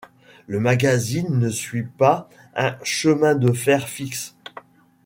Le magazine ne suit pas un chemin de fer fixe.